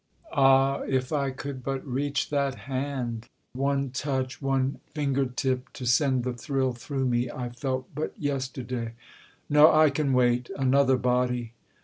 Ah! If I could but reach that hand! One touch! One finger tip, to send the thrill through me I felt but yesterday! No! I can wait: Another body!